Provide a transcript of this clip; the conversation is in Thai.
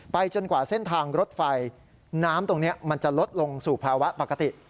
จนกว่าเส้นทางรถไฟน้ำตรงนี้มันจะลดลงสู่ภาวะปกติ